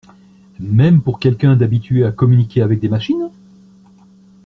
Même pour quelqu’un d’habitué à communiquer avec des machines?